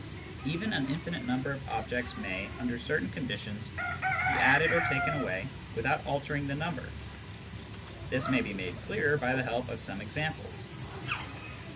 Even an infinite number of objects may, under certain conditions, be added or taken away without altering the number. This may be made clearer by the help of some examples.